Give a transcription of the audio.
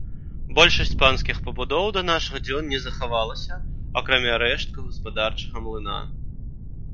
Большасць панскіх пабудоў да нашых дзён не захавалася, акрамя рэшткаў гаспадарчага млына.